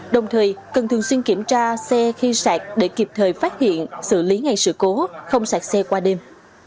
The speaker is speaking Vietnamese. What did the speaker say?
đồng thời cần thường xuyên kiểm tra xe khi sạc để kịp thời phát hiện xử lý ngay sự cố không sạc xe qua đêm